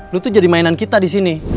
lu tuh jadi mainan kita disini